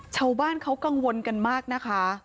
ชาวบ้านเขากังวลกันมากนะคะ